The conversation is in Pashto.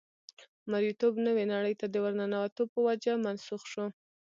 مرییتوب نوې نړۍ ته د ورننوتو په وجه منسوخ شو.